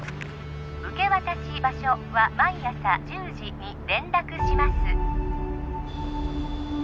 受け渡し場所は毎朝１０時に連絡します